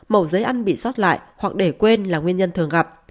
màu giấy ăn bị sót lại hoặc để quên là nguyên nhân thường gặp